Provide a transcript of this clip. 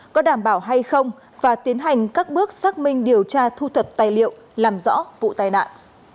có đảm bảo hay không và tiến hành các bước xác minh điều tra thu thập tài liệu làm rõ vụ tai nạn